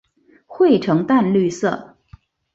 喙呈淡绿色。